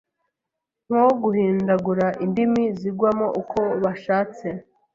nko guhindagura indimi zigwamo uko bashatse,